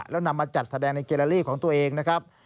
แล้วนำมาจัดแสดงในเกลาลีของตัวเองนะครับ